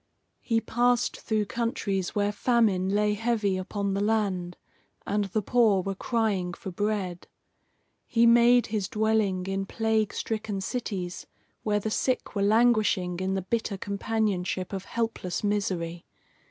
He passed through countries where famine lay heavy upon the land, and the poor were crying for bread. He made his dwelling in plague stricken cities where the sick were languishing in the bitter companionship of helpless misery.